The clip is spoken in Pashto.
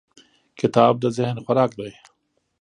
کتاب د ذهن خوراک دی.